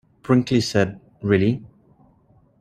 Brinkley said, Really?